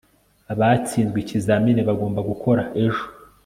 Abatsinzwe ikizamini bagomba gukora ejo